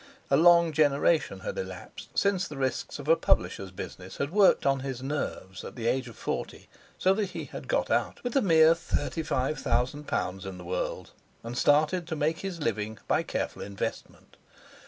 A long generation had elapsed since the risks of a publisher's business had worked on his nerves at the age of forty, so that he had got out with a mere thirty five thousand pounds in the world, and started to make his living by careful investment.